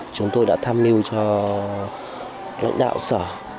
chúng tôi đã tham mưu cho lãnh đạo sở